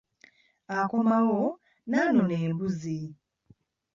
Akomawo n'anona embuzi.